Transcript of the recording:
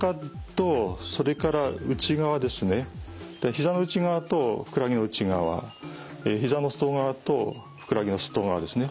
ひざの内側とふくらはぎの内側ひざの外側とふくらはぎの外側ですね。